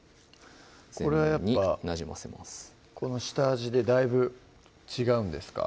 これはやっぱこの下味でだいぶ違うんですか？